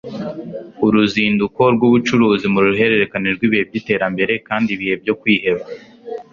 Uruzinduko rwubucuruzi nuruhererekane rwibihe byiterambere kandi ibihe byo kwiheba.